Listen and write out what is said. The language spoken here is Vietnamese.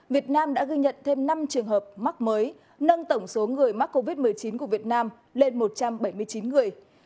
việt nam đã ghi nhận thêm năm trường hợp mắc mới nâng tổng số người mắc covid một mươi chín của việt nam lên một trăm bảy mươi chín người